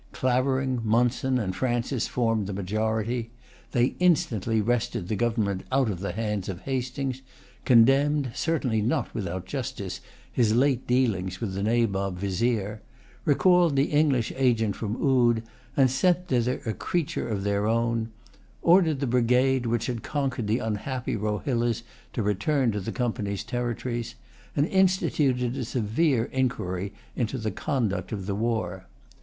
Clavering, Monson, and Francis formed the majority. They instantly wrested the government out of the hands of Hastings; condemned, certainly not without justice, his late dealings with the Nabob Vizier; recalled the English agent from Oude, and sent thither a creature of their own; ordered the brigade which had conquered the unhappy Rohillas to return to the Company's territories; and instituted a severe inquiry into the conduct of the war.